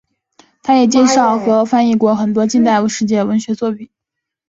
它也介绍和翻译过很多近代世界文学作品。